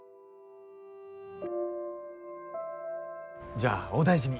じゃあお大事に。